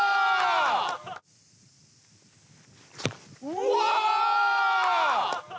うわ！